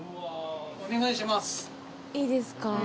いいですか？